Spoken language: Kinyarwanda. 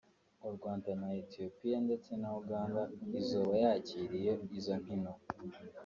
Urwanda na Ethiopia ndetse na Uganda izoba yakiriye izo nkino